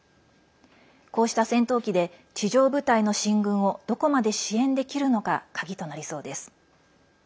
こうした戦闘機で地上部隊の進軍をどこまで支援できるのか鍵となりそうです。